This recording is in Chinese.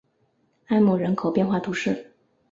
埃姆人口变化图示